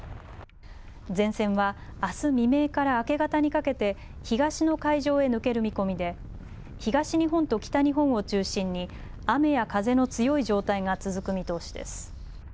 前線はあす未明から明け方にかけて東の海上へ抜ける見込みで東日本と北日本を中心に雨や風の強い状態が続く見通しです。